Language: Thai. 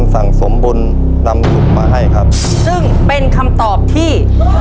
ซึ่งเป็นคำตอบที่